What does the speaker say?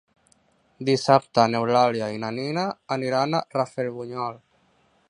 Dissabte n'Eulàlia i na Nina aniran a Rafelbunyol.